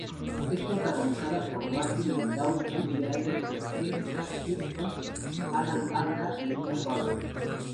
Es protagonizada por Martin Landau, Woody Allen, Anjelica Huston, Alan Alda y Mia Farrow.